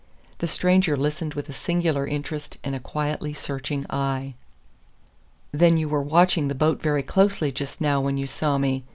The stranger listened with a singular interest and a quietly searching eye. "Then you were watching the boat very closely just now when you saw me.